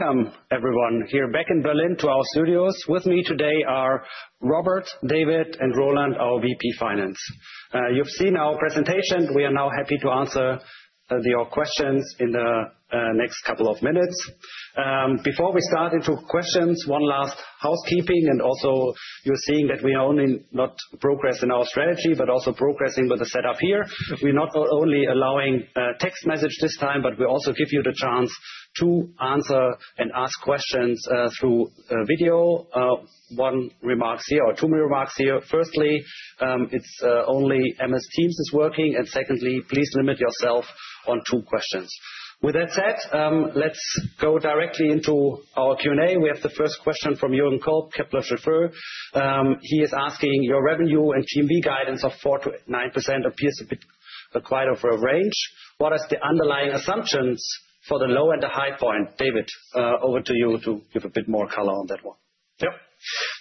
Welcome, everyone, here back in Berlin to our studios. With me today are Robert, David, and Roland, our VP Finance. You've seen our presentation. We are now happy to answer your questions in the next couple of minutes. Before we start into questions, one last housekeeping. And also, you're seeing that we are only not progressing in our strategy but also progressing with the setup here. We're not only allowing text messages this time, but we also give you the chance to answer and ask questions through video. One remark here, or two remarks here. Firstly, it's only MS Teams that is working. And secondly, please limit yourself on two questions. With that said, let's go directly into our Q&A. We have the first question from Jürgen Kolb, Kepler Cheuvreux. He is asking, your revenue and GMV guidance of 4%-9% appears to be quite a range. What are the underlying assumptions for the low and the high point? David, over to you to give a bit more color on that one. Yeah.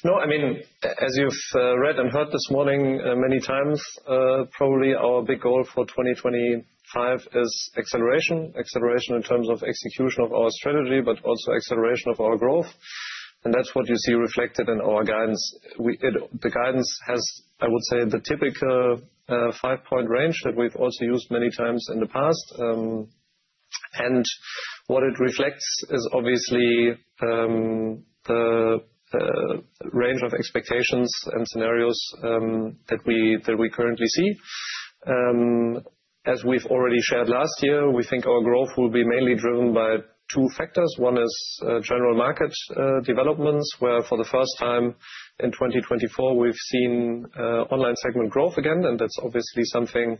No, I mean, as you've read and heard this morning many times, probably our big goal for 2025 is acceleration, acceleration in terms of execution of our strategy, but also acceleration of our growth. And that's what you see reflected in our guidance. The guidance has, I would say, the typical five-point range that we've also used many times in the past. And what it reflects is obviously the range of expectations and scenarios that we currently see. As we've already shared last year, we think our growth will be mainly driven by two factors. One is general market developments, where for the first time in 2024, we've seen online segment growth again. And that's obviously something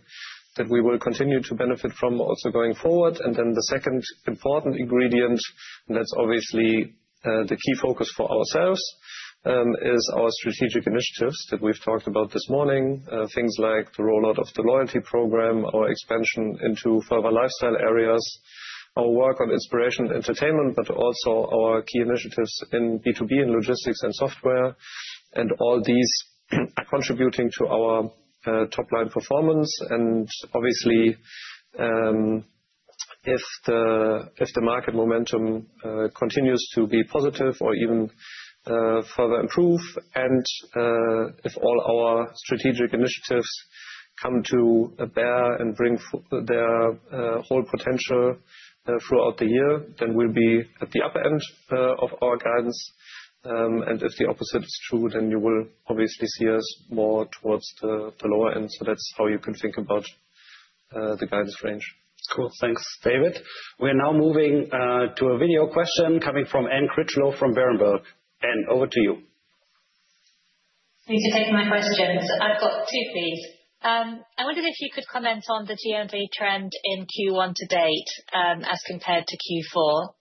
that we will continue to benefit from also going forward. And then the second important ingredient, and that's obviously the key focus for ourselves, is our strategic initiatives that we've talked about this morning, things like the rollout of the loyalty program, our expansion into further lifestyle areas, our work on inspiration and entertainment, but also our key initiatives in B2B and logistics and software. And all these are contributing to our top-line performance. And obviously, if the market momentum continues to be positive or even further improve, and if all our strategic initiatives come to bear and bring their whole potential throughout the year, then we'll be at the upper end of our guidance. And if the opposite is true, then you will obviously see us more towards the lower end. So that's how you can think about the guidance range. Cool. Thanks, David. We are now moving to a video question coming from Anne Critchlow from Berenberg. Anne, over to you. Thank you for taking my questions. I've got two, please. I wondered if you could comment on the GMV trend in Q1 to date as compared to Q4.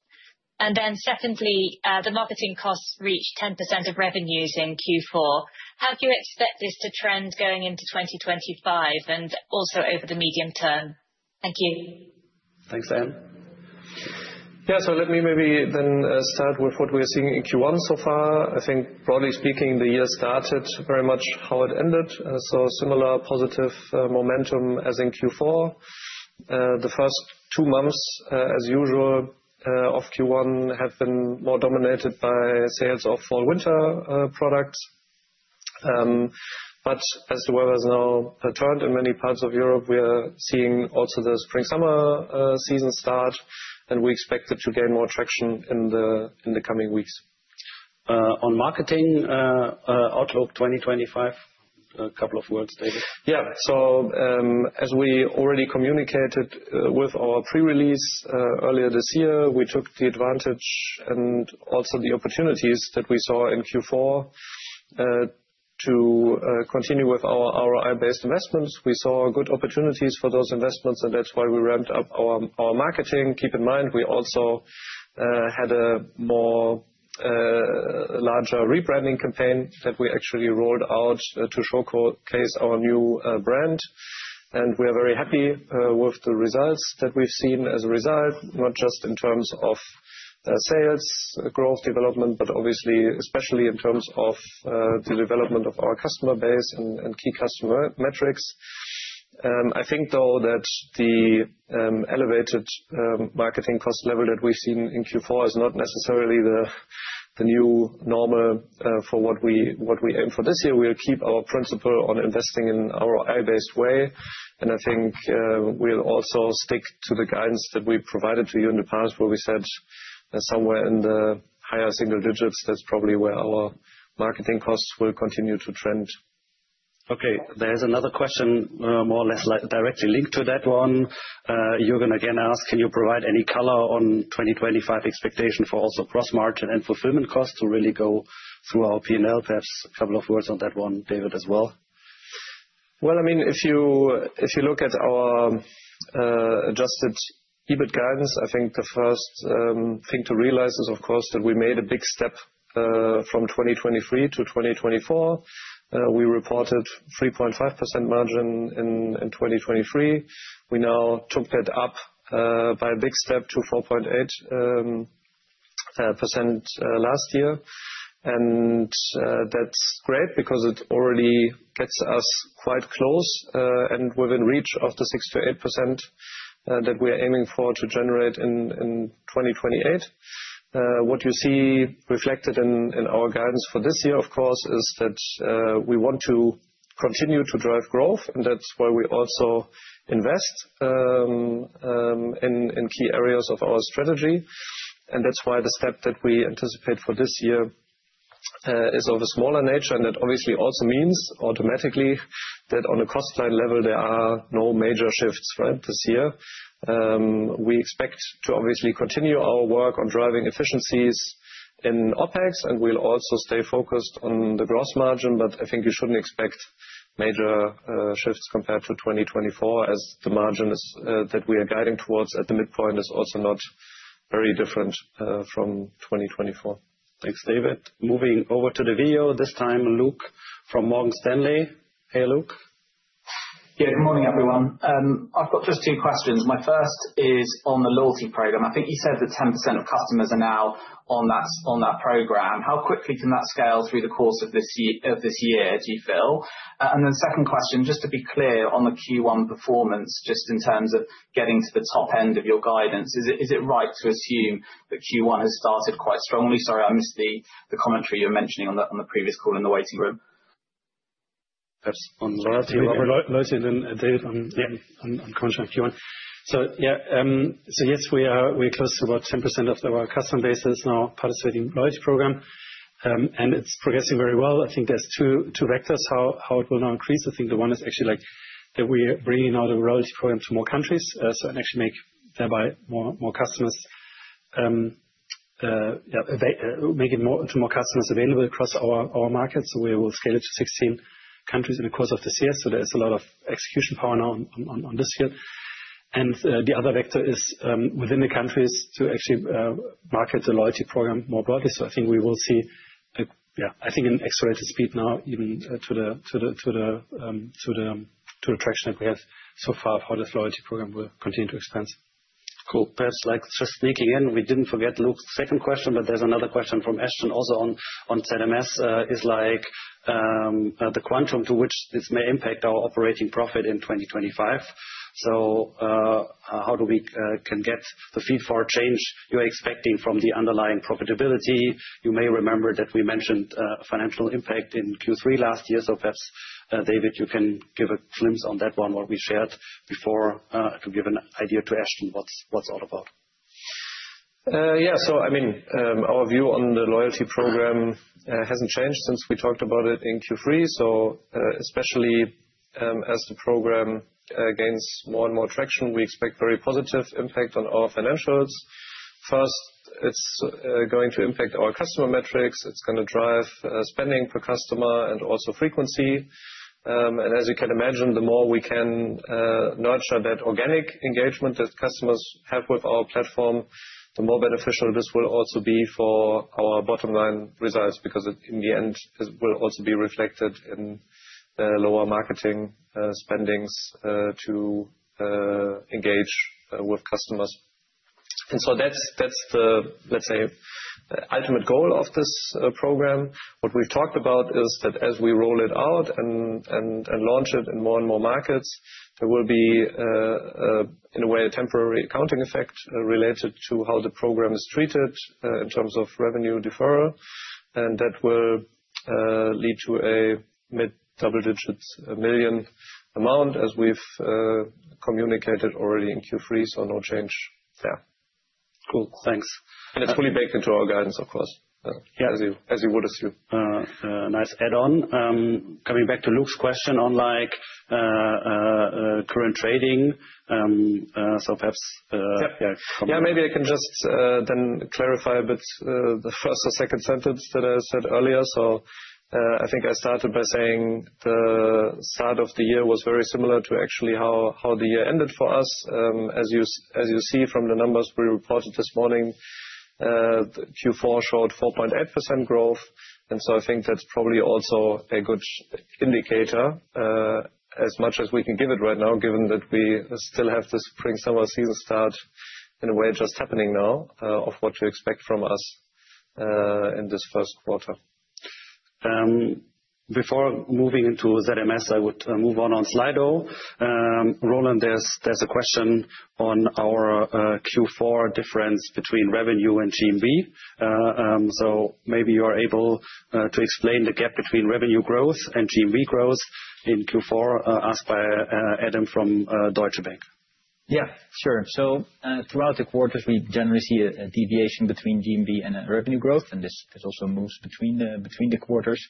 And then secondly, the marketing costs reached 10% of revenues in Q4. How do you expect this to trend going into 2025 and also over the medium term? Thank you. Thanks, Anne. Yeah, so let me maybe then start with what we are seeing in Q1 so far. I think, broadly speaking, the year started very much how it ended. So similar positive momentum as in Q4. The first two months, as usual, of Q1 have been more dominated by sales of Fall-Winter products. But as the weather has now turned in many parts of Europe, we are seeing also the Spring-Summer season start. And we expect it to gain more traction in the coming weeks. On marketing outlook 2025, a couple of words, David. Yeah. So as we already communicated with our pre-release earlier this year, we took the advantage and also the opportunities that we saw in Q4 to continue with our ROI-based investments. We saw good opportunities for those investments. And that's why we ramped up our marketing. Keep in mind, we also had a larger rebranding campaign that we actually rolled out to showcase our new brand. And we are very happy with the results that we've seen as a result, not just in terms of sales growth development, but obviously, especially in terms of the development of our customer base and key customer metrics. I think, though, that the elevated marketing cost level that we've seen in Q4 is not necessarily the new normal for what we aim for this year. We'll keep our principle on investing in an ROI-based way. And I think we'll also stick to the guidance that we provided to you in the past, where we said somewhere in the higher single digits. That's probably where our marketing costs will continue to trend. Okay. There's another question more or less directly linked to that one. Jürgen, again, asks, can you provide any color on 2025 expectation for also gross margin and fulfillment costs to really go through our P&L? Perhaps a couple of words on that one, David, as well. I mean, if you look at our Adjusted EBITDA guidance, I think the first thing to realize is, of course, that we made a big step from 2023 to 2024. We reported 3.5% margin in 2023. We now took that up by a big step to 4.8% last year. And that's great because it already gets us quite close and within reach of the 6%-8% that we are aiming for to generate in 2028. What you see reflected in our guidance for this year, of course, is that we want to continue to drive growth. And that's why we also invest in key areas of our strategy. And that's why the step that we anticipate for this year is of a smaller nature. And that obviously also means automatically that on a cost line level, there are no major shifts this year. We expect to obviously continue our work on driving efficiencies in OpEx. And we'll also stay focused on the gross margin. But I think you shouldn't expect major shifts compared to 2024, as the margin that we are guiding towards at the midpoint is also not very different from 2024. Thanks, David. Moving over to the video, this time Luke from Morgan Stanley. Hey, Luke. Yeah, good morning, everyone. I've got just two questions. My first is on the loyalty program. I think you said that 10% of customers are now on that program. How quickly can that scale through the course of this year, do you feel? And then second question, just to be clear on the Q1 performance, just in terms of getting to the top end of your guidance, is it right to assume that Q1 has started quite strongly? Sorry, I missed the commentary you were mentioning on the previous call in the waiting room. Perhaps on loyalty. Loyalty and then, David, on commentary on Q1. So yeah, so yes, we are close to about 10% of our customer base that is now participating in the loyalty program. And it's progressing very well. I think there's two vectors how it will now increase. I think the one is actually that we're bringing out a loyalty program to more countries and actually make more customers available to more customers across our market. So we will scale it to 16 countries in the course of this year. So there is a lot of execution power now on this year. And the other vector is within the countries to actually market the loyalty program more broadly. So I think we will see, yeah, I think in accelerated speed now, even to the traction that we have so far of how this loyalty program will continue to expand. Cool. Perhaps just sneaking in, we didn't forget Luke's second question, but there's another question from Ashton also on ZMS, like the quantum to which this may impact our operating profit in 2025. So how do we quantify the forward change you're expecting from the underlying profitability? You may remember that we mentioned financial impact in Q3 last year. So perhaps, David, you can give a glimpse on that one, what we shared before, to give an idea to Ashton what it's all about. Yeah. So I mean, our view on the loyalty program hasn't changed since we talked about it in Q3. So especially as the program gains more and more traction, we expect very positive impact on our financials. First, it's going to impact our customer metrics. It's going to drive spending per customer and also frequency. And as you can imagine, the more we can nurture that organic engagement that customers have with our platform, the more beneficial this will also be for our bottom line results, because in the end, it will also be reflected in lower marketing spending to engage with customers. And so that's the, let's say, ultimate goal of this program. What we've talked about is that as we roll it out and launch it in more and more markets, there will be, in a way, a temporary accounting effect related to how the program is treated in terms of revenue deferral. And that will lead to a mid-double-digit million amount, as we've communicated already in Q3. So no change there. Cool. Thanks. It's fully baked into our guidance, of course, as you would assume. A nice add-on. Coming back to Luke's question on current trading. So perhaps. Yeah, maybe I can just then clarify a bit the first or second sentence that I said earlier. So I think I started by saying the start of the year was very similar to actually how the year ended for us. As you see from the numbers we reported this morning, Q4 showed 4.8% growth. And so I think that's probably also a good indicator, as much as we can give it right now, given that we still have this Spring-Summer season start in a way just happening now of what to expect from us in this first quarter. Before moving into ZMS, I would move on to Slido. Roland, there's a question on our Q4 difference between revenue and GMV. So maybe you are able to explain the gap between revenue growth and GMV growth in Q4, asked by Adam from Deutsche Bank. Yeah, sure. So throughout the quarters, we generally see a deviation between GMV and revenue growth. And this also moves between the quarters.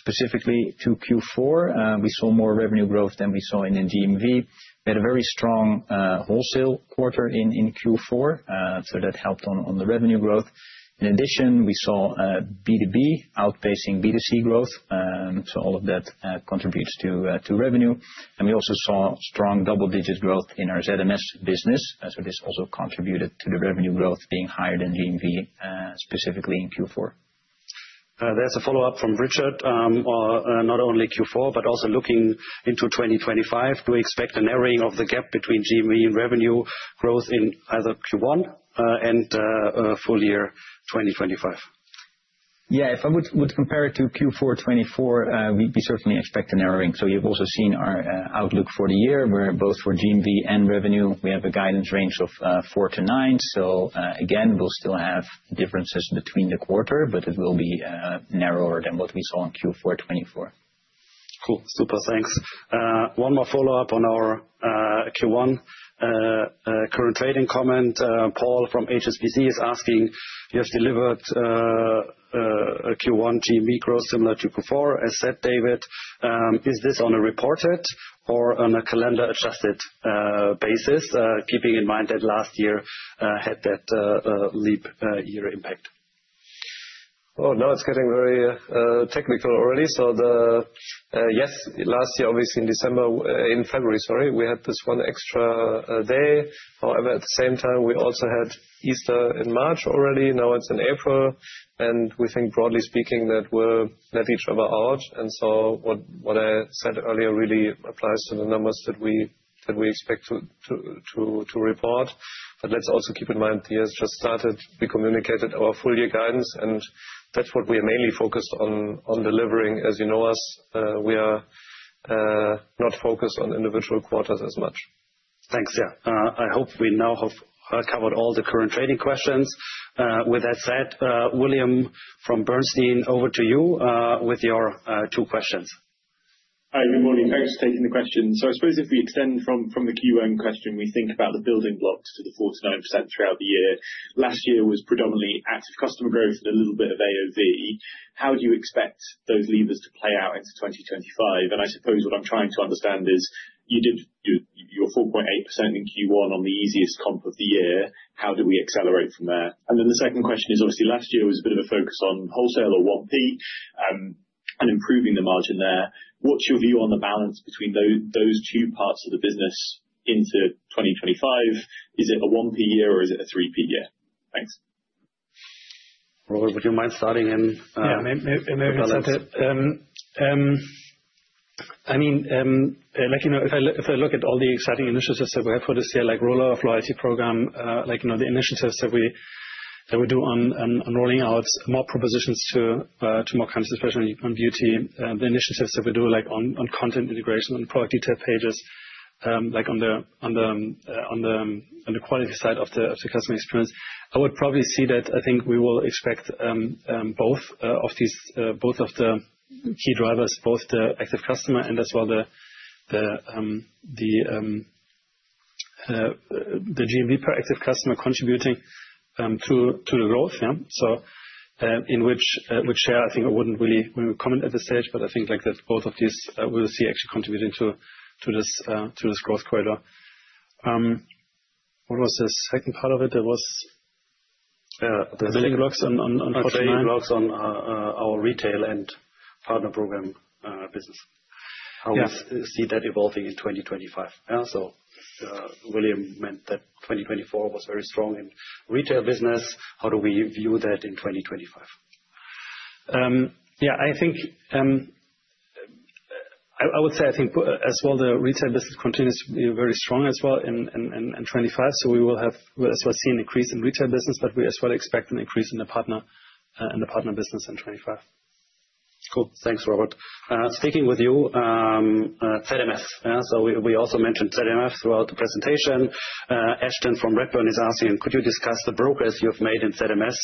Specifically to Q4, we saw more revenue growth than we saw in GMV. We had a very strong wholesale quarter in Q4. So that helped on the revenue growth. In addition, we saw B2B outpacing B2C growth. So all of that contributes to revenue. And we also saw strong double-digit growth in our ZMS business. So this also contributed to the revenue growth being higher than GMV, specifically in Q4. There's a follow-up from Richard. Not only Q4, but also looking into 2025, do we expect a narrowing of the gap between GMV and revenue growth in either Q1 and full year 2025? Yeah, if I would compare it to Q4 2024, we certainly expect a narrowing. So you've also seen our outlook for the year, where both for GMV and revenue, we have a guidance range of 4%-9%. So again, we'll still have differences between the quarter, but it will be narrower than what we saw in Q4 2024. Cool. Super. Thanks. One more follow-up on our Q1 current trading comment. Paul from HSBC is asking, you have delivered a Q1 GMV growth similar to Q4, as said, David. Is this on a reported or on a calendar-adjusted basis, keeping in mind that last year had that leap year impact? Oh, now it's getting very technical already. So yes, last year, obviously in December, in February, sorry, we had this one extra day. However, at the same time, we also had Easter in March already. Now it's in April. And we think, broadly speaking, that we'll net each other out. And so what I said earlier really applies to the numbers that we expect to report. But let's also keep in mind the year has just started. We communicated our full year guidance. And that's what we are mainly focused on delivering. As you know us, we are not focused on individual quarters as much. Thanks. Yeah, I hope we now have covered all the current trading questions. With that said, William from Bernstein, over to you with your two questions. Hi, good morning. Thanks for taking the question. So I suppose if we extend from the Q1 question, we think about the building blocks to the 4%-9% throughout the year. Last year was predominantly active customer growth and a little bit of AOV. How do you expect those levers to play out into 2025? And I suppose what I'm trying to understand is you did your 4.8% in Q1 on the easiest comp of the year. How do we accelerate from there? And then the second question is, obviously, last year was a bit of a focus on wholesale or 1P and improving the margin there. What's your view on the balance between those two parts of the business into 2025? Is it a 1P year or is it a 3P year? Thanks. Roland, would you mind starting and maybe present it? Yeah. I mean, if I look at all the exciting initiatives that we have for this year, like rollout of loyalty program, the initiatives that we do on rolling out more propositions to more countries, especially on beauty, the initiatives that we do on content integration and product detail pages, like on the quality side of the customer experience, I would probably see that I think we will expect both of the key drivers, both the active customer and as well the GMV per active customer contributing to the growth. So, in which share, I think I wouldn't really comment at this stage, but I think that both of these we will see actually contributing to this growth corridor. What was the second part of it? There was the building blocks on wholesale. The building blocks on our retail and Partner Program business. How do you see that evolving in 2025? So, William meant that 2024 was very strong in retail business. How do we view that in 2025? Yeah, I think I would say I think as well the retail business continues to be very strong as well in 2025. So we will as well see an increase in retail business, but we as well expect an increase in the partner business in 2025. Cool. Thanks, Robert. Sticking with you, ZMS. So we also mentioned ZMS throughout the presentation. Ashton from Redburn is asking, could you discuss the progress you have made in ZMS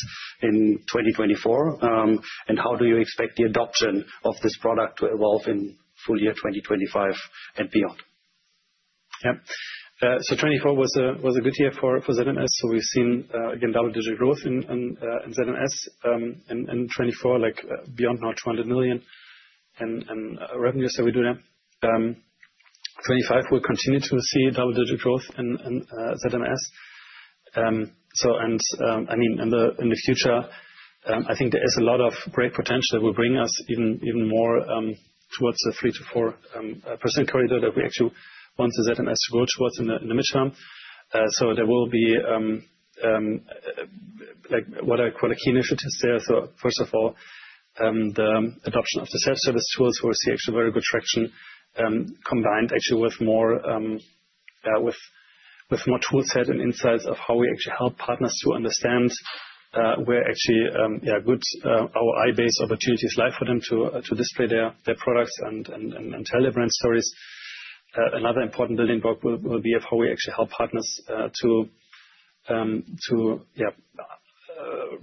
in 2024? And how do you expect the adoption of this product to evolve in full year 2025 and beyond? Yeah. So 2024 was a good year for ZMS. So we've seen again double-digit growth in ZMS in 2024, like beyond now 200 million in revenues that we do now. 2025, we'll continue to see double-digit growth in ZMS. And I mean, in the future, I think there is a lot of great potential that will bring us even more towards the 3%-4% corridor that we actually want the ZMS to go towards in the midterm. So there will be what I call the key initiatives there. So first of all, the adoption of the self-service tools, we'll see actually very good traction combined actually with more toolset and insights of how we actually help partners to understand where actually our IBASE opportunity is live for them to display their products and tell their brand stories. Another important building block will be how we actually help partners to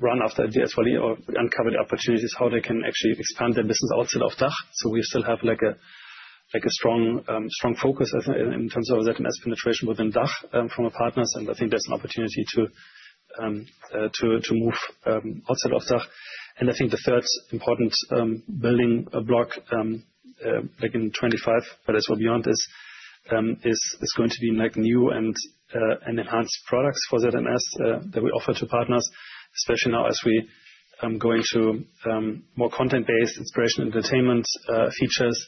run after ideas or uncover the opportunities, how they can actually expand their business outside of DACH. So we still have a strong focus in terms of ZMS penetration within DACH from our partners. And I think there's an opportunity to move outside of DACH. And I think the third important building block in 2025, but as well beyond, is going to be new and enhanced products for ZMS that we offer to partners, especially now as we go into more content-based inspiration and entertainment features.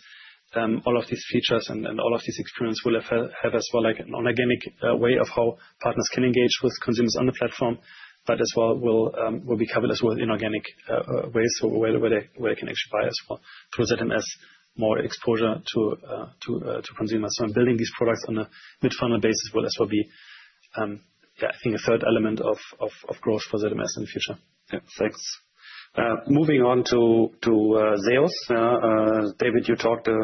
All of these features and all of these experiences will have as well an organic way of how partners can engage with consumers on the platform, but as well will be covered as well in organic ways where they can actually buy as well through ZMS, more exposure to consumers. Building these products on a mid-funnel basis will as well be, yeah, I think a third element of growth for ZMS in the future. Yeah. Thanks. Moving on to sales. David, you talked a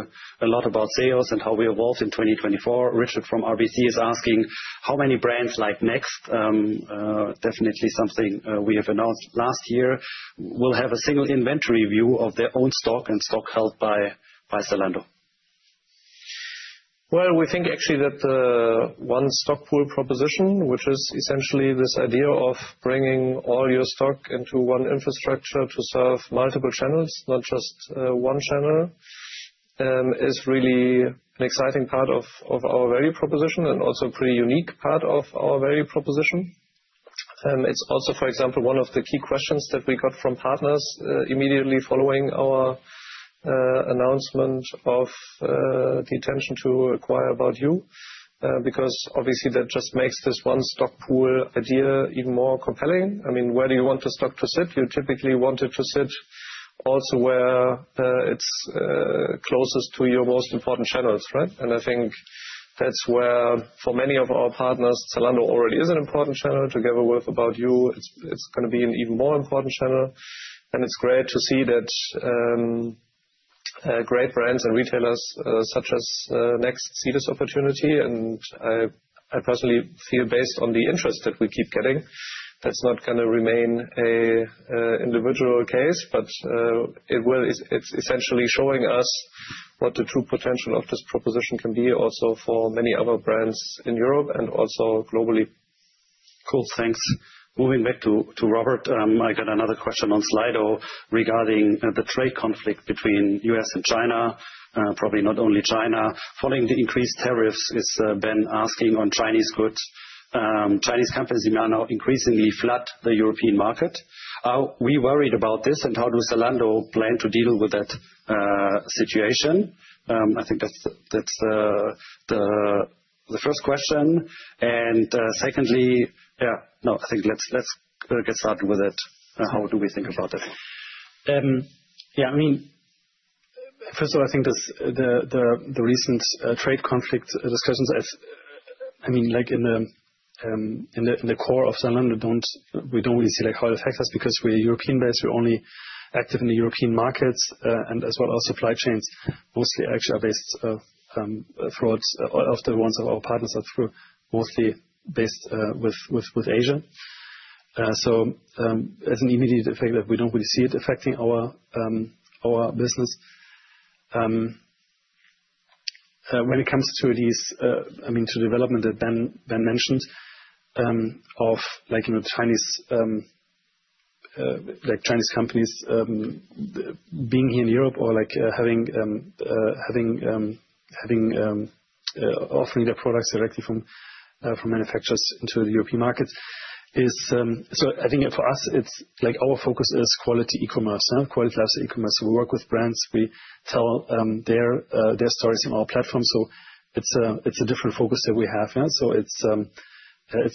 lot about sales and how we evolved in 2024. Richard from RBC is asking, how many brands like Next, definitely something we have announced last year, will have a single inventory view of their own stock and stock held by Zalando? We think actually that One Stock Pool proposition, which is essentially this idea of bringing all your stock into one infrastructure to serve multiple channels, not just one channel, is really an exciting part of our value proposition and also a pretty unique part of our value proposition. It's also, for example, one of the key questions that we got from partners immediately following our announcement of the intention to acquire About You, because obviously that just makes this One Stock Pool idea even more compelling. I mean, where do you want the stock to sit? You typically want it to sit also where it's closest to your most important channels, right? And I think that's where for many of our partners, Zalando already is an important channel together with About You. It's going to be an even more important channel. It's great to see that great brands and retailers such as Next see this opportunity. I personally feel, based on the interest that we keep getting, that's not going to remain an individual case, but it's essentially showing us what the true potential of this proposition can be also for many other brands in Europe and also globally. Cool. Thanks. Moving back to Robert, I got another question on Slido regarding the trade conflict between the US and China, probably not only China. Following the increased tariffs, it's been imposed on Chinese goods. Chinese companies now increasingly flood the European market. Are we worried about this? And how does Zalando plan to deal with that situation? I think that's the first question. And secondly, yeah, no, I think let's get started with it. How do we think about that? Yeah, I mean, first of all, I think the recent trade conflict discussions, I mean, in the core of Zalando, we don't really see how it affects us because we're European-based. We're only active in the European markets, and as well, our supply chains mostly actually are based throughout all of the ones of our partners are mostly based with Asia. So as an immediate effect, we don't really see it affecting our business. When it comes to these, I mean, to the development that Ben mentioned of Chinese companies being here in Europe or offering their products directly from manufacturers into the European market, so I think for us, our focus is quality e-commerce, quality lifestyle e-commerce. We work with brands. We tell their stories on our platform. So it's a different focus that we have. So it's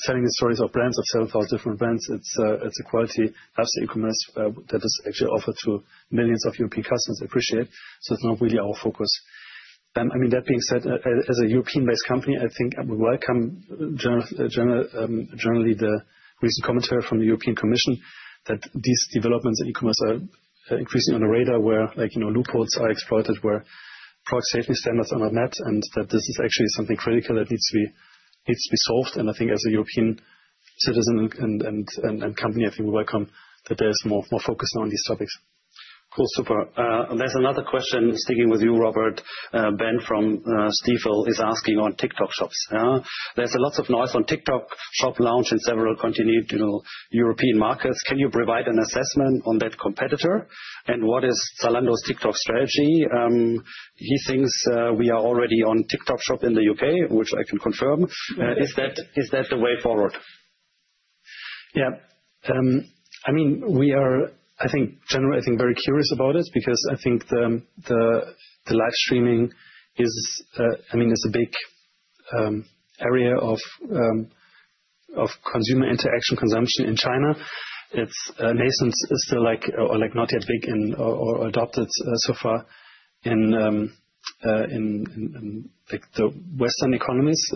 telling the stories of brands of 7,000 different brands. It's a quality lifestyle e-commerce that is actually offered to millions of European customers to appreciate. So it's not really our focus. I mean, that being said, as a European-based company, I think we welcome generally the recent commentary from the European Commission that these developments in e-commerce are increasingly on the radar, where loopholes are exploited, where product safety standards are not met, and that this is actually something critical that needs to be solved. And I think as a European citizen and company, I think we welcome that there's more focus now on these topics. Cool. Super. There's another question. Sticking with you, Robert. Ben from Stifel is asking on TikTok Shop. There's a lot of noise on TikTok Shop launch in several continental European markets. Can you provide an assessment on that competitor? And what is Zalando's TikTok strategy? He thinks we are already on TikTok Shop in the UK, which I can confirm. Is that the way forward? Yeah. I mean, we are, I think, generally, I think very curious about it because I think the live streaming is, I mean, is a big area of consumer interaction consumption in China. It's nascent, still not yet big or adopted so far in the Western economies.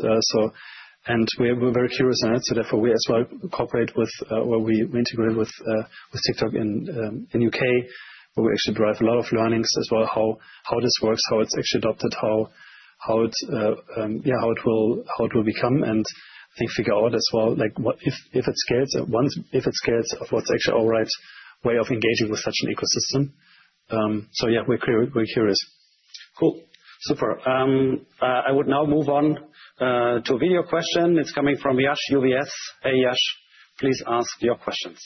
And we're very curious on it. So therefore, we as well cooperate with or we integrate with TikTok in the UK, where we actually derive a lot of learnings as well, how this works, how it's actually adopted, how it will become, and I think figure out as well if it scales, if it scales of what's actually our right way of engaging with such an ecosystem. So yeah, we're curious. Cool. Super. I would now move on to a video question. It's coming from Yash UBS. Hey, Yash, please ask your questions.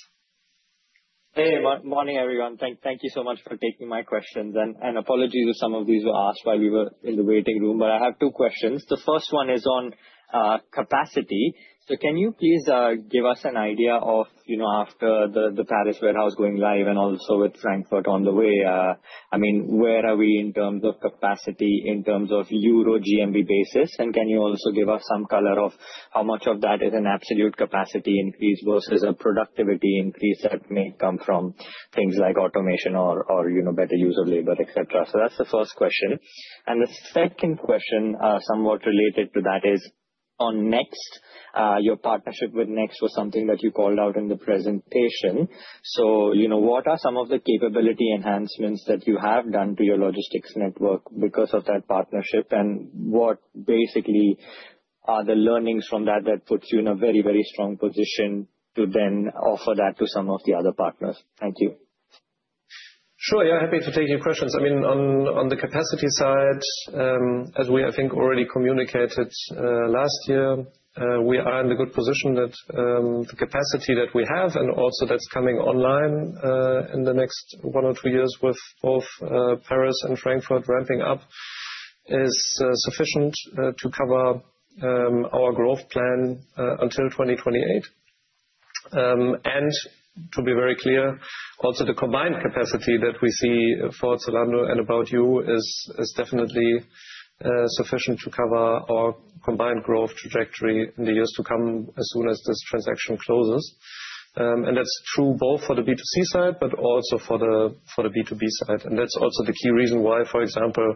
Hey, good morning, everyone. Thank you so much for taking my questions, and apologies if some of these were asked while we were in the waiting room, but I have two questions. The first one is on capacity, so can you please give us an idea of after the Paris warehouse going live and also with Frankfurt on the way, I mean, where are we in terms of capacity in terms of Euros GMV basis? And can you also give us some color of how much of that is an absolute capacity increase versus a productivity increase that may come from things like automation or better use of labor, etc.? So that's the first question, and the second question somewhat related to that is on Next. Your partnership with Next was something that you called out in the presentation. So what are some of the capability enhancements that you have done to your logistics network because of that partnership? And what basically are the learnings from that that puts you in a very, very strong position to then offer that to some of the other partners? Thank you. Sure. Yeah, happy to take your questions. I mean, on the capacity side, as we I think already communicated last year, we are in the good position that the capacity that we have and also that's coming online in the next one or two years with both Paris and Frankfurt ramping up is sufficient to cover our growth plan until 2028. And to be very clear, also the combined capacity that we see for Zalando and About You is definitely sufficient to cover our combined growth trajectory in the years to come as soon as this transaction closes. And that's true both for the B2C side, but also for the B2B side. And that's also the key reason why, for example,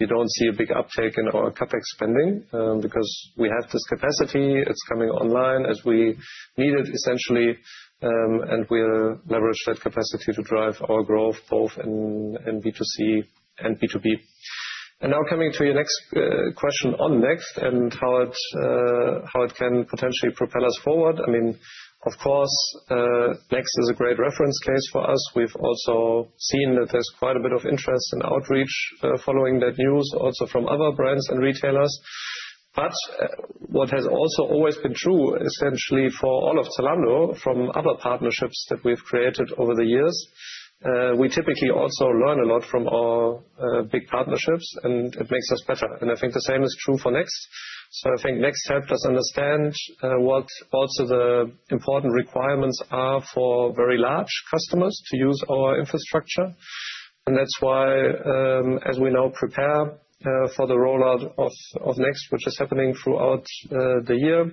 we don't see a big uptake in our CapEx spending because we have this capacity. It's coming online as we need it essentially. And we leverage that capacity to drive our growth both in B2C and B2B. And now coming to your next question on Next and how it can potentially propel us forward. I mean, of course, Next is a great reference case for us. We've also seen that there's quite a bit of interest and outreach following that news, also from other brands and retailers. But what has also always been true essentially for all of Zalando from other partnerships that we've created over the years, we typically also learn a lot from our big partnerships, and it makes us better. And I think the same is true for Next. So I think Next helped us understand what also the important requirements are for very large customers to use our infrastructure. And that's why, as we now prepare for the rollout of Next, which is happening throughout the year,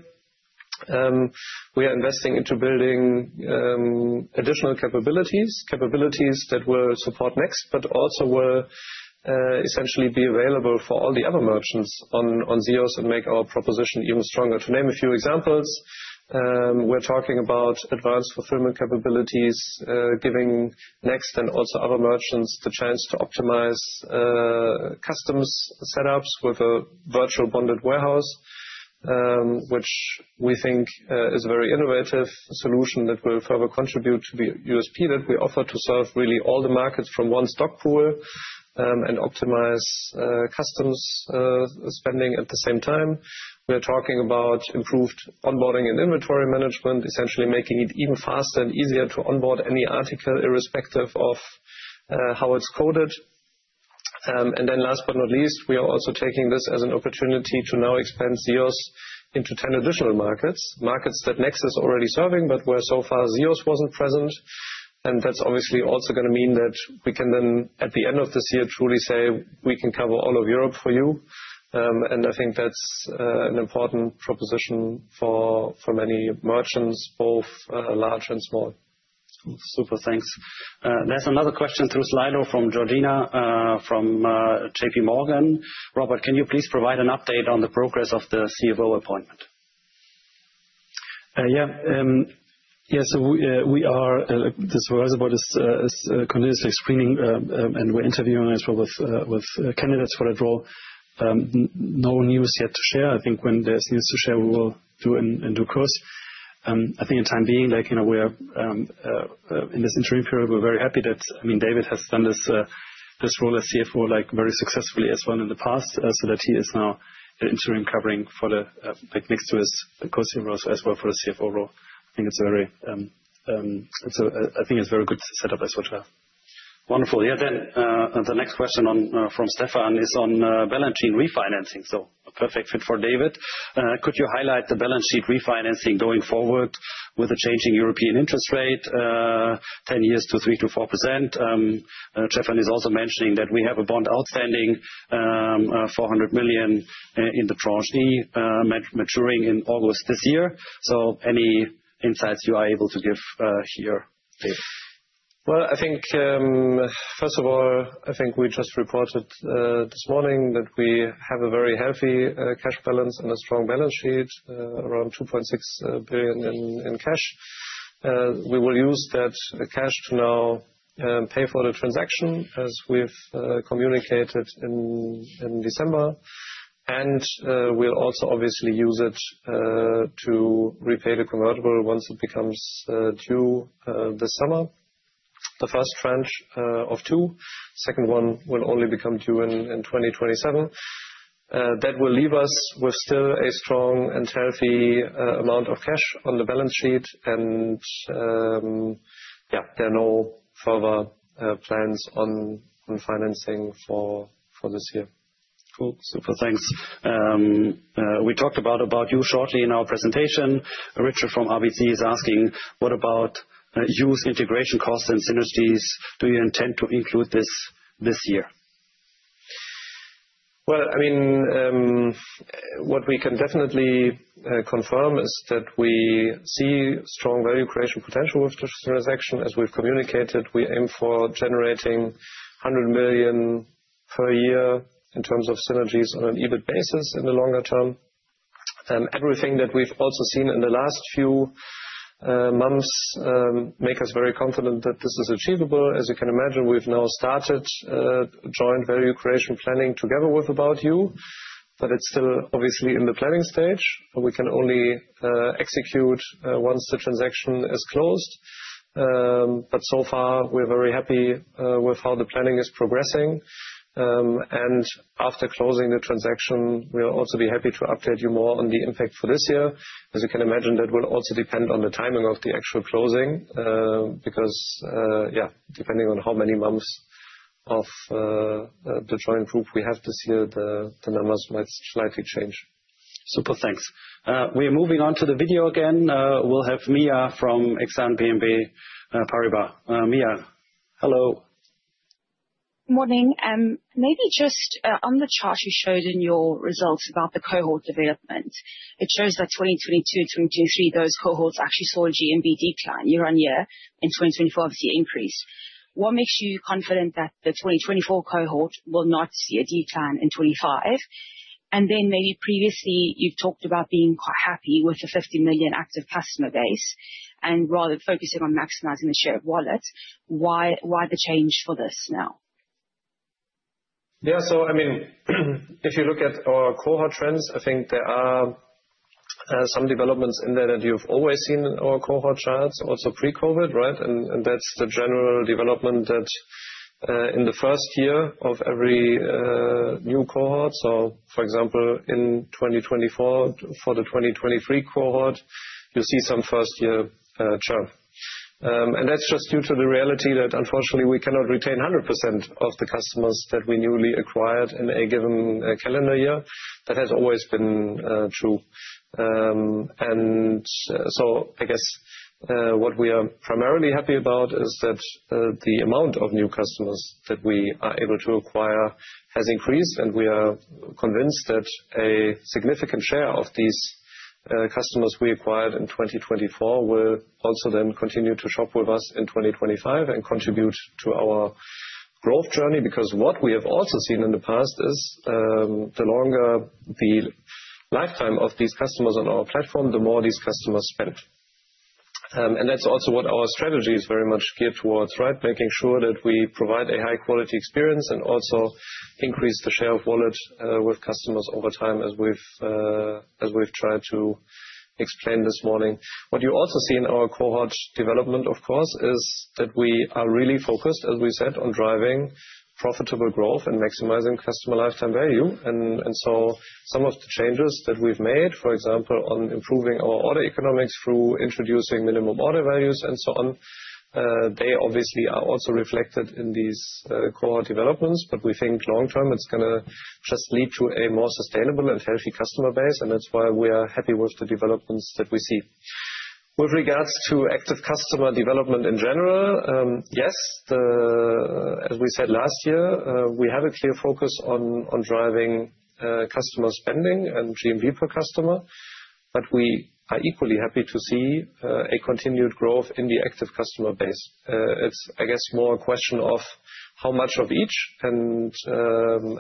we are investing into building additional capabilities, capabilities that will support Next, but also will essentially be available for all the other merchants on ZEOS and make our proposition even stronger. To name a few examples, we're talking about advanced fulfillment capabilities, giving Next and also other merchants the chance to optimize customs setups with a virtual bonded warehouse, which we think is a very innovative solution that will further contribute to the USP that we offer to serve really all the markets from One Stock pool and optimize customs spending at the same time. We are talking about improved onboarding and inventory management, essentially making it even faster and easier to onboard any article irrespective of how it's coded. And then last but not least, we are also taking this as an opportunity to now expand ZEOS into 10 additional markets, markets that Next is already serving, but where so far ZEOS wasn't present. And that's obviously also going to mean that we can then at the end of this year truly say, "We can cover all of Europe for you." And I think that's an important proposition for many merchants, both large and small. Cool. Super. Thanks. There's another question through Slido from Georgina from JP Morgan. Robert, can you please provide an update on the progress of the CFO appointment? Yeah. Yeah. So this was about continuously screening and we're interviewing as well with candidates for the role. No news yet to share. I think when there's news to share, we will disclose. I think in the meantime, we are in this interim period. We're very happy that, I mean, David has done this role as CFO very successfully as well in the past, so that he is now interim covering next to his COO as well for the CFO role. I think it's a very good setup as well. Wonderful. Yeah, then the next question from Stefan is on balance sheet refinancing. So a perfect fit for David. Could you highlight the balance sheet refinancing going forward with a changing European interest rate, 10-year to 3% to 4%? And he's also mentioning that we have a bond outstanding 400 million in the Tranche A maturing in August this year. So any insights you are able to give here, David? I think first of all, I think we just reported this morning that we have a very healthy cash balance and a strong balance sheet around 2.6 billion in cash. We will use that cash to now pay for the transaction as we've communicated in December. We'll also obviously use it to repay the convertible once it becomes due this summer. The first tranche of two, the second one will only become due in 2027. That will leave us with still a strong and healthy amount of cash on the balance sheet. Yeah, there are no further plans on financing for this year. Cool. Super. Thanks. We talked about About You shortly in our presentation. Richard from RBC is asking, "What about About You's integration costs and synergies? Do you intend to include this year? I mean, what we can definitely confirm is that we see strong value creation potential with this transaction. As we've communicated, we aim for generating €100 million per year in terms of synergies on an EBIT basis in the longer term. Everything that we've also seen in the last few months makes us very confident that this is achievable. As you can imagine, we've now started joint value creation planning together with About You, but it's still obviously in the planning stage. We can only execute once the transaction is closed. But so far, we're very happy with how the planning is progressing, and after closing the transaction, we'll also be happy to update you more on the impact for this year. As you can imagine, that will also depend on the timing of the actual closing because, yeah, depending on how many months of the joint group we have this year, the numbers might slightly change. Super. Thanks. We are moving on to the video again. We'll have Mia from Exane BNP Paribas. Mia, hello. Good morning. Maybe just on the chart you showed in your results about the cohort development, it shows that 2022 and 2023, those cohorts actually saw a GMV decline year on year. In 2024, obviously increased. What makes you confident that the 2024 cohort will not see a decline in 25? And then maybe previously you've talked about being quite happy with a 50 million active customer base and rather focusing on maximizing the share of wallet. Why the change for this now? Yeah. So I mean, if you look at our cohort trends, I think there are some developments in there that you've always seen in our cohort charts, also pre-COVID, right? And that's the general development that in the first year of every new cohort. So for example, in 2024 for the 2023 cohort, you see some first-year churn. And that's just due to the reality that unfortunately, we cannot retain 100% of the customers that we newly acquired in a given calendar year. That has always been true. And so I guess what we are primarily happy about is that the amount of new customers that we are able to acquire has increased. And we are convinced that a significant share of these customers we acquired in 2024 will also then continue to shop with us in 2025 and contribute to our growth journey. Because what we have also seen in the past is the longer the lifetime of these customers on our platform, the more these customers spend. And that's also what our strategy is very much geared towards, right? Making sure that we provide a high-quality experience and also increase the share of wallet with customers over time as we've tried to explain this morning. What you also see in our cohort development, of course, is that we are really focused, as we said, on driving profitable growth and maximizing customer lifetime value. And so some of the changes that we've made, for example, on improving our order economics through introducing minimum order values and so on, they obviously are also reflected in these cohort developments. But we think long term, it's going to just lead to a more sustainable and healthy customer base. And that's why we are happy with the developments that we see. With regards to active customer development in general, yes, as we said last year, we have a clear focus on driving customer spending and GMV per customer. But we are equally happy to see a continued growth in the active customer base. It's, I guess, more a question of how much of each. And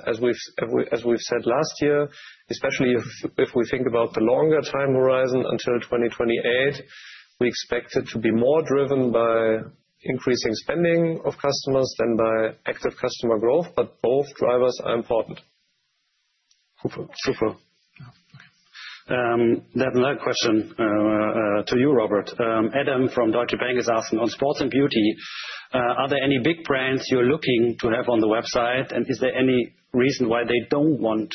as we've said last year, especially if we think about the longer time horizon until 2028, we expect it to be more driven by increasing spending of customers than by active customer growth. But both drivers are important. Super. Okay. Then another question to you, Robert. Adam from Deutsche Bank is asking on sports and beauty. Are there any big brands you're looking to have on the website? And is there any reason why they don't want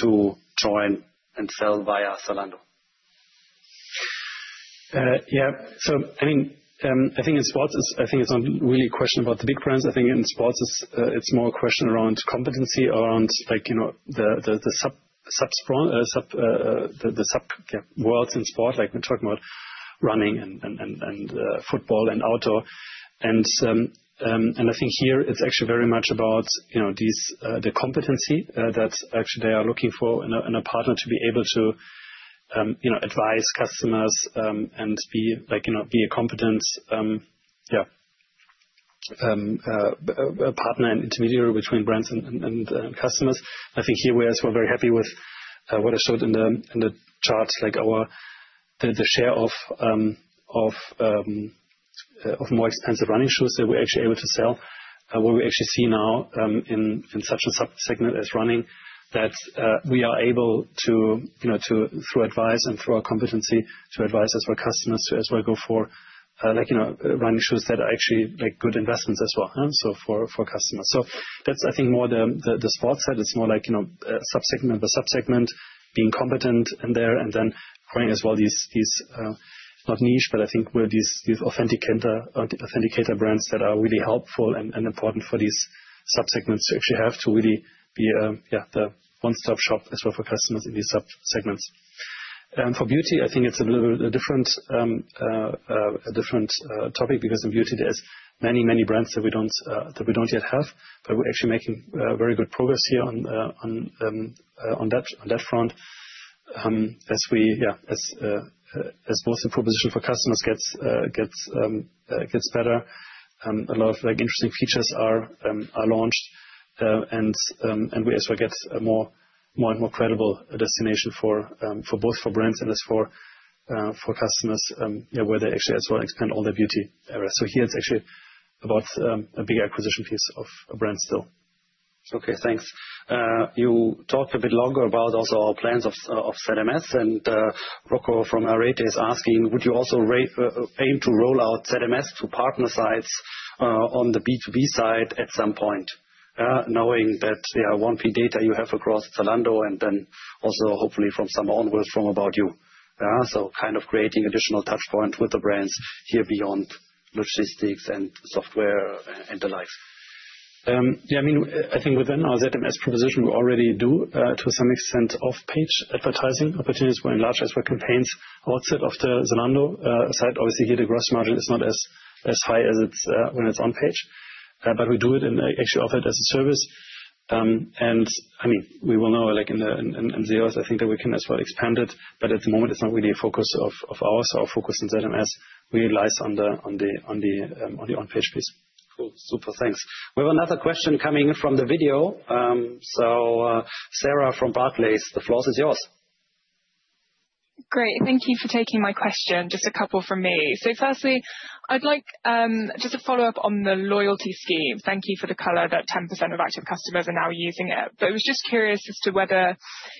to join and sell via Zalando? Yeah. So I mean, I think in sports, I think it's not really a question about the big brands. I think in sports, it's more a question around competency, around the sub worlds in sport, like we're talking about running and football and outdoor. And I think here it's actually very much about the competency that actually they are looking for in a partner to be able to advise customers and be a competent, yeah, partner and intermediary between brands and customers. I think here we are as well very happy with what I showed in the chart, like the share of more expensive running shoes that we're actually able to sell. What we actually see now in such a sub-segment as running that we are able to, through advice and through our competency, to advise as well customers to as well go for running shoes that are actually good investments as well for customers. So that's, I think, more the sports side. It's more like a sub-segment by sub-segment being competent in there and then growing as well these not niche, but I think with these authentic brands that are really helpful and important for these sub-segments to actually have to really be the one-stop shop as well for customers in these sub-segments. For beauty, I think it's a different topic because in beauty, there's many, many brands that we don't yet have, but we're actually making very good progress here on that front. As both the proposition for customers gets better, a lot of interesting features are launched, and we as well get a more and more credible destination for both brands and as for customers where they actually as well expand all their beauty areas. So here it's actually about a bigger acquisition piece of a brand still. Okay. Thanks. You talked a bit longer about also our plans of ZMS, and Rocco from Arete is asking, "Would you also aim to roll out ZMS to partner sites on the B2B side at some point, knowing that, yeah, 1P data you have across Zalando and then also hopefully from some onwards from About You?" So kind of creating additional touch points with the brands here beyond logistics and software and the likes. Yeah. I mean, I think within our ZMS proposition, we already do to some extent off-page advertising opportunities where we run large-scale campaigns outside of the Zalando site. Obviously, here the gross margin is not as high as it's when it's on-page, but we do it and actually offer it as a service, and I mean, we will now in ZEOS, I think that we can as well expand it, but at the moment, it's not really a focus of ours. Our focus in ZMS really lies on the on-page piece. Cool. Super. Thanks. We have another question coming from the video. So Sarah from Barclays, the floor is yours. Great. Thank you for taking my question. Just a couple from me. So firstly, I'd like just to follow up on the loyalty scheme. Thank you for the color that 10% of active customers are now using it. But I was just curious as to whether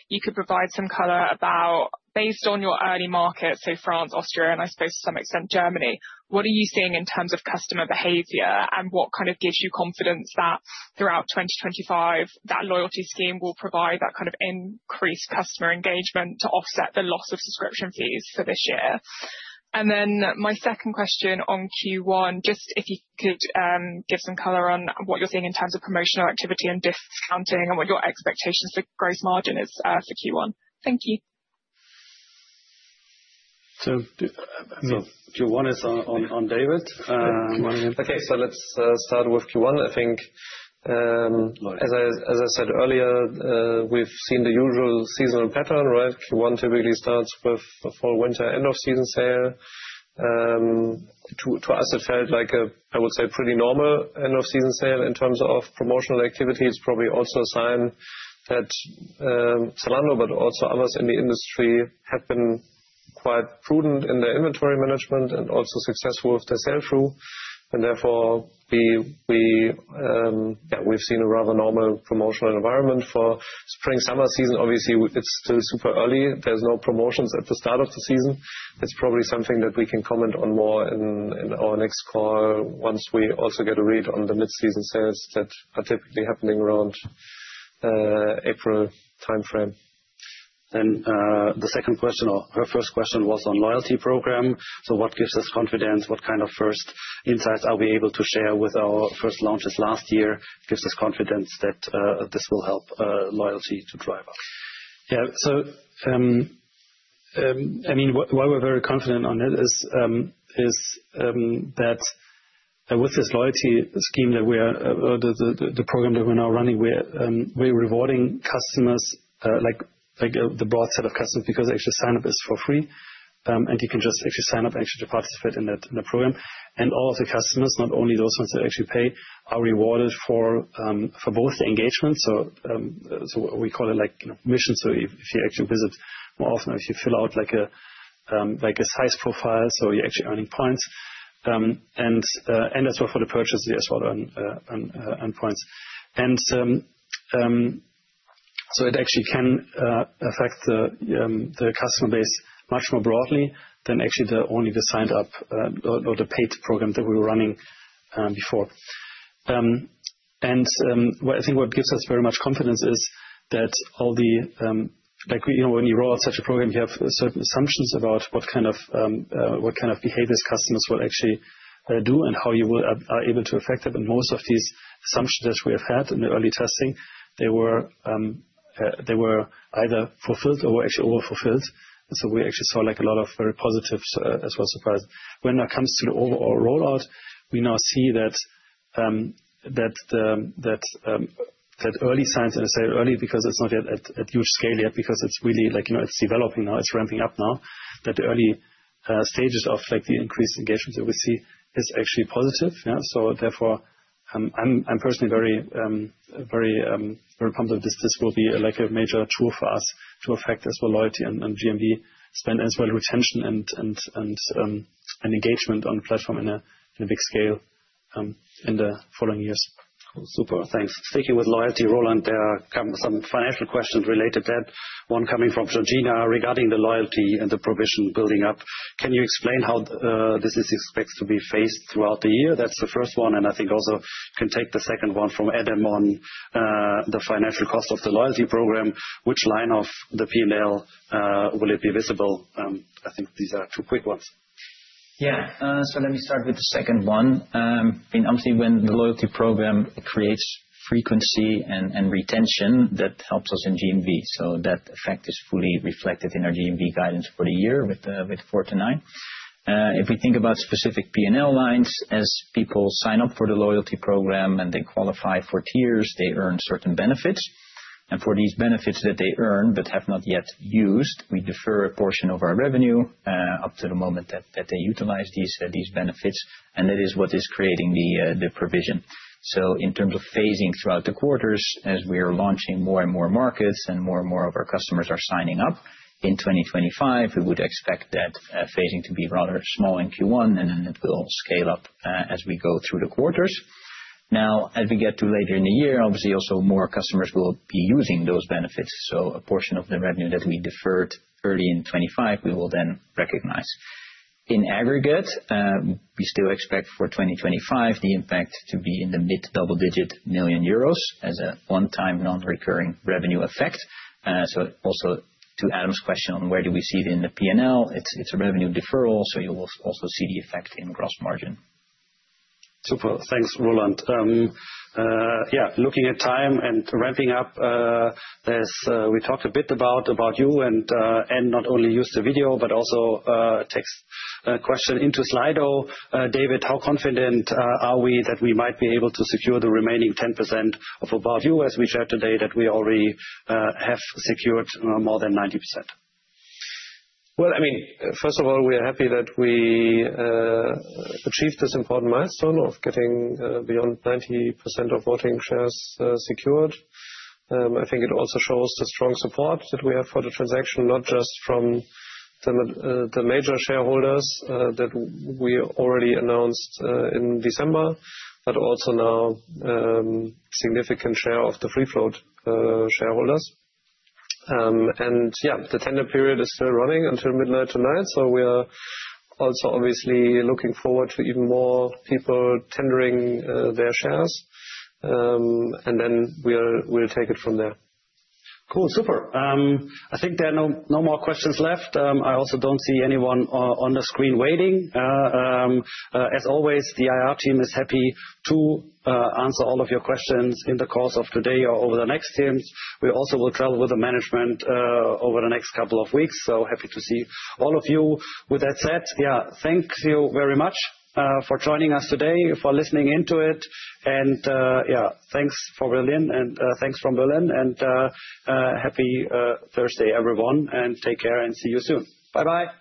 you could provide some color about based on your early market, so France, Austria, and I suppose to some extent Germany, what are you seeing in terms of customer behavior and what kind of gives you confidence that throughout 2025 that loyalty scheme will provide that kind of increased customer engagement to offset the loss of subscription fees for this year? And then my second question on Q1, just if you could give some color on what you're seeing in terms of promotional activity and discounting and what your expectations for gross margin is for Q1. Thank you. Q1 is on David. Good morning Okay. So let's start with Q1. I think as I said earlier, we've seen the usual seasonal pattern, right? Q1 typically starts with fall, winter, End of Season Sale. To us, it felt like a, I would say, pretty normal End-of-Season Sale in terms of promotional activity. It's probably also a sign that Zalando, but also others in the industry have been quite prudent in their inventory management and also successful with their sell-through. And therefore, yeah, we've seen a rather normal promotional environment for Spring-Summer season. Obviously, it's still super early. There are no promotions at the start of the season. It's probably something that we can comment on more in our next call once we also get a read on the mid-season sales that are typically happening around April timeframe. And the second question, or her first question was on loyalty program. So what gives us confidence? What kind of first insights are we able to share with our first launches last year gives us confidence that this will help loyalty to drive up? Yeah. So I mean, why we're very confident on it is that with this loyalty scheme that we are, the program that we're now running, we're rewarding customers, like the broad set of customers, because actually sign-up is for free. And you can just actually sign up actually to participate in the program. And all of the customers, not only those ones that actually pay, are rewarded for both the engagement. So we call it like mission. So if you actually visit more often, if you fill out like a size profile, so you're actually earning points. And as well for the purchase, you as well earn points. And so it actually can affect the customer base much more broadly than actually only the signed-up or the paid program that we were running before. And I think what gives us very much confidence is that all the, like, when you roll out such a program, you have certain assumptions about what kind of behaviors customers will actually do and how you are able to affect them. And most of these assumptions that we have had in the early testing, they were either fulfilled or actually over-fulfilled. And so we actually saw like a lot of very positive as well surprises. When it comes to the overall rollout, we now see that early signs, and I say early because it's not yet at huge scale yet because it's really like it's developing now, it's ramping up now, that the early stages of the increased engagement that we see is actually positive. Therefore, I'm personally very pumped that this will be like a major tool for us to affect as well loyalty and GMV spend and as well retention and engagement on platform in a big scale in the following years. Cool. Super. Thanks. Sticking with loyalty, Roland, there are some financial questions related to that. One coming from Georgina regarding the loyalty and the provision building up. Can you explain how this expects to be phased throughout the year? That's the first one. And I think also can take the second one from Adam on the financial cost of the loyalty program. Which line of the P&L will it be visible? I think these are two quick ones. Yeah. So let me start with the second one. I mean, obviously when the loyalty program creates frequency and retention, that helps us in GMV. So that effect is fully reflected in our GMV guidance for the year with 4 to 9. If we think about specific P&L lines, as people sign up for the loyalty program and they qualify for tiers, they earn certain benefits. And for these benefits that they earn but have not yet used, we defer a portion of our revenue up to the moment that they utilize these benefits. And that is what is creating the provision. So in terms of phasing throughout the quarters, as we are launching more and more markets and more and more of our customers are signing up in 2025, we would expect that phasing to be rather small in Q1, and then it will scale up as we go through the quarters. Now, as we get to later in the year, obviously also more customers will be using those benefits. So a portion of the revenue that we deferred early in 2025, we will then recognize. In aggregate, we still expect for 2025 the impact to be in the mid-double-digit million euros as a one-time non-recurring revenue effect. So also to Adam's question on where do we see it in the P&L, it's a revenue deferral, so you will also see the effect in gross margin. Super. Thanks, Roland. Yeah. Looking at time and ramping up, we talked a bit about About You and not only used the video, but also a text question into Slido. David, how confident are we that we might be able to secure the remaining 10% of About You as we shared today that we already have secured more than 90%? Well, I mean, first of all, we are happy that we achieved this important milestone of getting beyond 90% of voting shares secured. I think it also shows the strong support that we have for the transaction, not just from the major shareholders that we already announced in December, but also now significant share of the free float shareholders. And yeah, the tender period is still running until midnight tonight. So we are also obviously looking forward to even more people tendering their shares. And then we'll take it from there. Cool. Super. I think there are no more questions left. I also don't see anyone on the screen waiting. As always, the IR team is happy to answer all of your questions in the course of today or over the next day. We also will travel with the management over the next couple of weeks, so happy to see all of you. With that said, yeah, thank you very much for joining us today, for listening into it, and yeah, thanks for Berlin and thanks from Berlin, and happy Thursday, everyone, and take care and see you soon. Bye-bye.